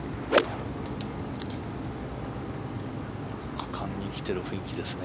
果敢に来ている感じですね